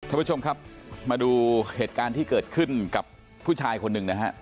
ท่านผู้ชมครับมาดูเหตุการณ์ที่เกิดขึ้นกับผู้ชายคนหนึ่งนะฮะ